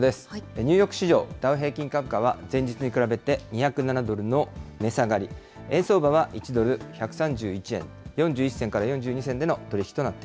ニューヨーク市場、ダウ平均株価は前日に比べて２０７ドルの値下がり、円相場は１ドル１３１円４１銭から４２銭での取り引きとな